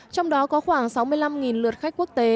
trong đó có khoảng sáu mươi năm lượt khách quốc tế